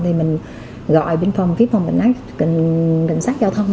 thì mình gọi bên phòng phía phòng cảnh sát giao thông